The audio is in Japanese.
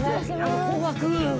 紅白。